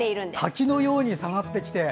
滝のように下がってきて。